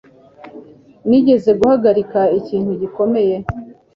Nigeze guhagarika ikintu gikomeye?